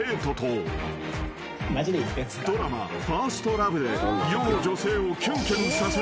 ［ドラマ『ＦｉｒｓｔＬｏｖｅ』で世の女性をキュンキュンさせた］